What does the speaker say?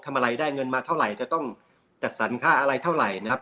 อะไรได้เงินมาเท่าไหร่จะต้องจัดสรรค่าอะไรเท่าไหร่นะครับ